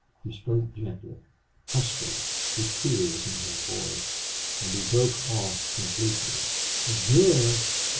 He spoke gently, huskily, with tears in his voice, and he broke off completely. "Forgive!